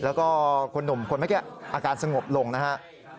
แล้วก็คนหนุ่มคนเมื่อกี้อาการสงบลงนะครับ